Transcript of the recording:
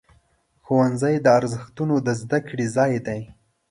ښوونځی د ارزښتونو د زده کړې ځای دی.